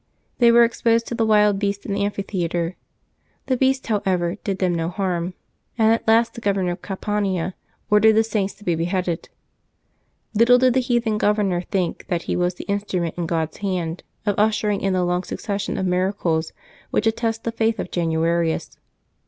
They were exposed to the wild beasts in the amphitheatre. The beasts, however, did them no harm; and at last the Governor of Campania ordered the Saints to be beheaded. Little did the heathen governor think that he was the in strument in God's hand of ushering in the long succession of miracles which attest the faith of Januarius.